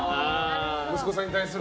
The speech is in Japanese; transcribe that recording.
息子さんに対する。